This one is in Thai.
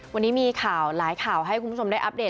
วันนี้มีข่าวหลายข่าวให้คุณผู้ชมได้อัปเดต